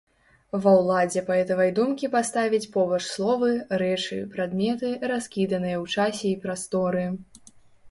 Ва ўладзе паэтавай думкі паставіць побач словы, рэчы, прадметы, раскіданыя ў часе і прасторы.